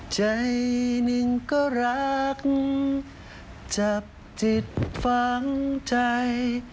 ใจหนึ่งก็รักจับจิตฟังใจ